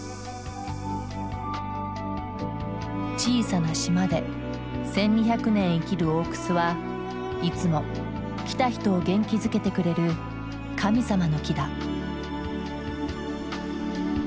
小さな島で１，２００年生きる大くすはいつも来た人を元気づけてくれる神様の木だ。